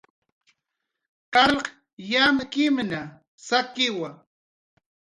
Carlq yamkimna sakiwa